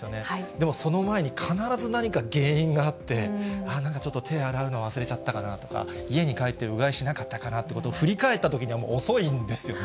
でもその前に必ず何か原因があって、ああ、なんかちょっと手を洗うの忘れちゃったかなとか、家に帰ってうがいしなかったかなとかいうことを振り返ったときにはもう遅いんですよね。